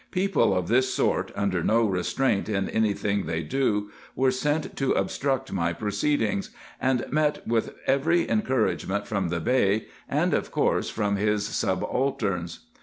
People of this sort, under no restraint in any thing they do, were sent to obstruct my proceedings ; and met with every encouragement from the Bey, and of course from his subalterns.